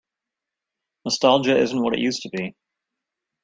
Nostalgia isn't what it used to be.